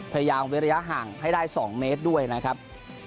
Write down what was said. พยายามเว้นระยะห่างให้ได้๒เมตรด้วยนะครับ